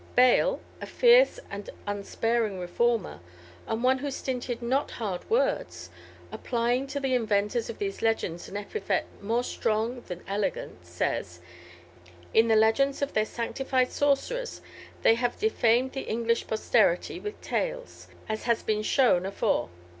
Bale, a fierce and unsparing reformer, and one who stinted not hard words, applying to the inventors of these legends an epithet more strong than elegant, says, "In the legends of their sanctified sorcerers they have diffamed the English posterity with tails, as has been showed afore.